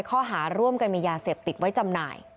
จับเก่าด้วยข้อหาร่วมกันมียาเสพติดไว้จำหน่าย